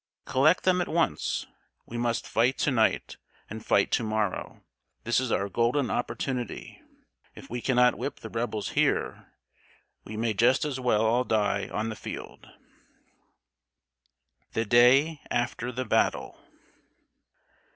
"Collect them at once. We must fight to night and fight to morrow. This is our golden opportunity. If we cannot whip the Rebels here, we may just as well all die on the field." [Sidenote: THE DAY AFTER THE BATTLE.